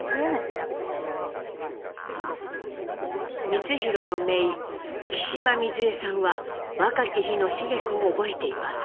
光宏のめい木島瑞恵さんは若き日の繁子を覚えています。